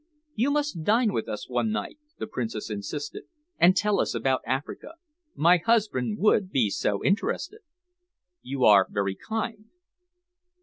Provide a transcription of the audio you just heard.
"You must dine with us one night," the Princess insisted, "and tell us about Africa. My husband would be so interested." "You are very kind."